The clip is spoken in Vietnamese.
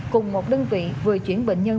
cùng một đơn vị vừa chuyển bệnh nhân